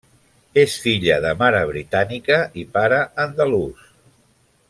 És filla de mare britànica i pare andalús.